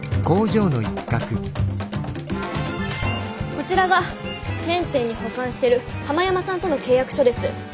こちらが天・天に保管してるハマヤマさんとの契約書です。